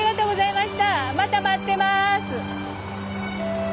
また待ってます。